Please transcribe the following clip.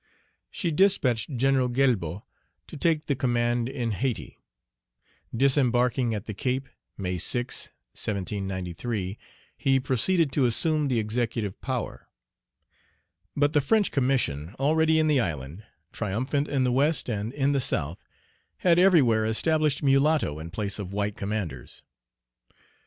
She dispatched General Galbaud to take the command in Hayti. Disembarking at the Cape (May 6, 1793), he proceeded to assume the executive power. But the French Commission already in the island, triumphant in the West and in the South, had everywhere established mulatto in place of white commanders.